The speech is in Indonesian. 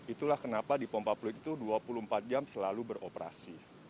itulah kenapa di pompa fluid itu dua puluh empat jam selalu beroperasi